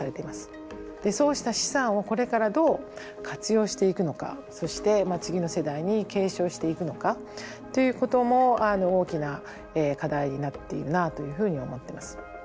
そうした資産をこれからどう活用していくのかそして次の世代に継承していくのかということも大きな課題になっているなというふうに思ってます。